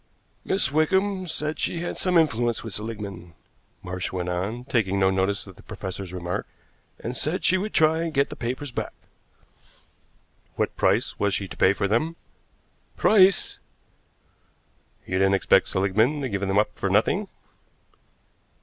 "Miss Wickham said she had some influence with Seligmann," Marsh went on, taking no notice of the professor's remark, "and said she would try and get the papers back." "What price was she to pay for them?" "Price!" "You didn't expect Seligmann to give them up for nothing?"